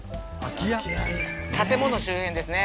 建物周辺ですね。